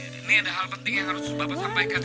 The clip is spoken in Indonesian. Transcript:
ini ada hal penting yang harus bapak sampaikan